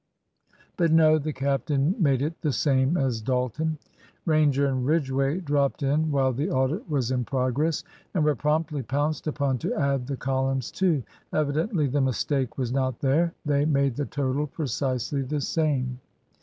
But no; the captain made it the same as Dalton. Ranger and Ridgway dropped in while the audit was in progress, and were promptly pounced upon to add the columns too. Evidently the mistake was not there. They made the total precisely the same.